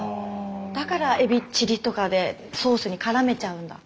だからエビチリとかでソースにからめちゃうんだ。